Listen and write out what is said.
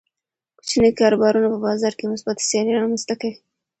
کوچني کاروبارونه په بازار کې مثبته سیالي رامنځته کوي.